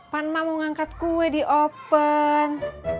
pan mak mau ngangkat kue di open